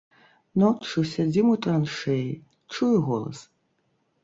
Ноччу сядзім у траншэі, чую голас.